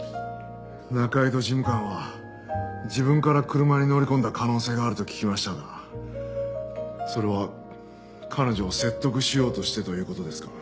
仲井戸事務官は自分から車に乗り込んだ可能性があると聞きましたがそれは彼女を説得しようとしてという事ですか？